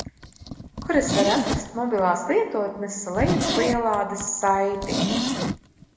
Kur es varu atrast mobilās lietotnes lejupielādes saiti?